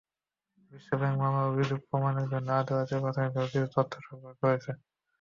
বিশ্বব্যাংক মামলার অভিযোগ প্রমাণের জন্য আদালতে প্রাথমিকভাবে কিছু তথ্য সরবরাহ করেছে।